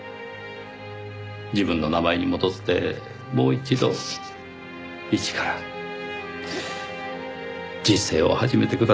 自分の名前に戻ってもう一度一から人生を始めてください。